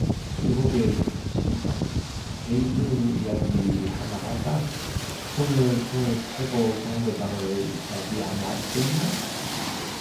여보게 치삼이, 내 우스운 이야기 하나 할까. 오늘 손을 태고 정거장에 가지 않았겠나